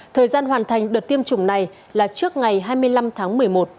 thời gian hoàn thành đợt tiêm chủng này là trước ngày hai mươi năm tháng một mươi một